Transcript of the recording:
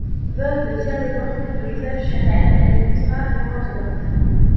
Veuve de Pierre Lelong puis de Joseph Chérel, elle épousera Laurent de Graff.